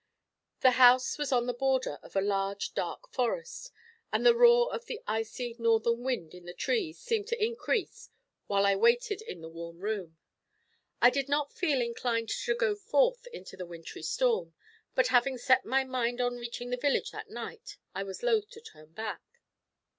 The house was on the border of a large, dark forest, and the roar of the icy northern wind in the trees seemed to increase while I waited in the warm room. I did not feel inclined to go forth into the wintry storm, but, having set my mind on reaching the village that night, I was loath to turn back.